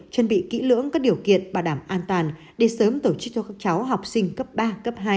chuẩn bị kỹ lưỡng các điều kiện bảo đảm an toàn để sớm tổ chức cho các cháu học sinh cấp ba cấp hai